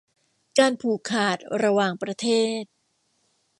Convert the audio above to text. การผูกขาดระหว่างประเทศ